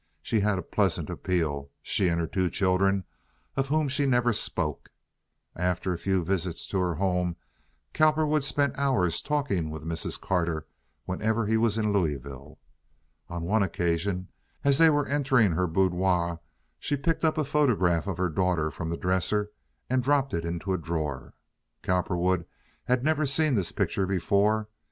She had a pleasant appeal—she and her two children, of whom she never spoke. After a few visits to her home Cowperwood spent hours talking with Mrs. Carter whenever he was in Louisville. On one occasion, as they were entering her boudoir, she picked up a photograph of her daughter from the dresser and dropped it into a drawer. Cowperwood had never seen this picture before.